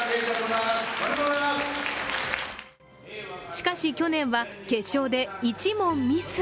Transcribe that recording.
しかし、去年は決勝で１問ミス。